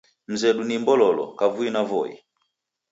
Mzedu ni Mbololo, kavui na Voi.